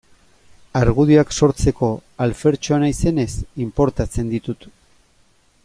Argudioak sortzeko alfertxoa naizenez, inportatzen ditut.